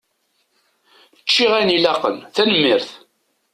Ččiɣ ayen ilaqen, tanemmirt.